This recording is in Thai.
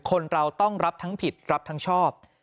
คนเราต้องรับทั้งผิดรับทั้งชอบ